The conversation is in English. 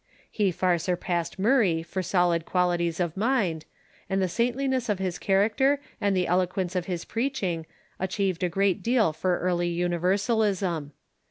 He far surpassed Murray for solid qualities of mind, and the saintliness of his character and the eloquence of his preaching achieved a great deal for early ITniversalism.